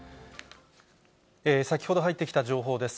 先ほど入ってきた情報です。